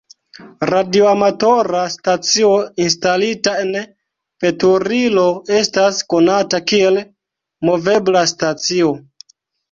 Radioamatora stacio instalita en veturilo estas konata kiel movebla stacio.